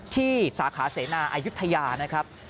สาขาเสนาอายุทยานะครับ